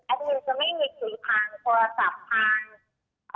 แอดมินจะไม่มีคุยทางโทรศัพท์